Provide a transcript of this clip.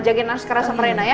jagain maskernya sama rena ya